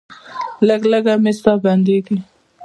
لږه لږه مې ساه بندیږي.